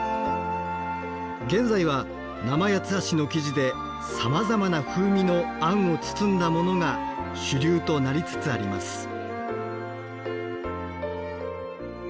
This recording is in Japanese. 現在は生八ツ橋の生地でさまざまな風味のあんを包んだモノが主流となりつつあります。